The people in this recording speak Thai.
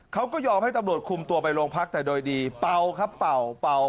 เขาก็ยอมให้ตำรวจคุมตัวไปโรงพักแต่โดยดีเป่าครับเป่าเป่า